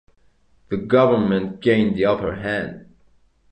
The government gained the upper hand.